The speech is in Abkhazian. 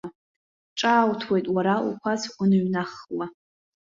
Ҿаауҭуеит уара уқәацә уныҩнаххуа.